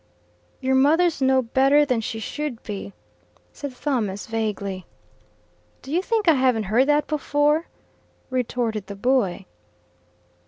"Your mother's no better than she should be," said Thomas vaguely. "Do you think I haven't heard that before?" retorted the boy.